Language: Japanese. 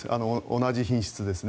同じ品質ですね。